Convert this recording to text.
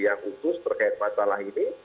yang khusus terkait masalah ini